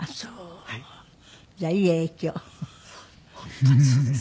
本当にそうですよ。